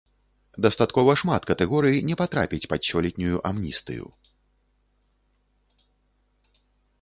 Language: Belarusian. Дастаткова шмат катэгорый не патрапіць пад сёлетнюю амністыю.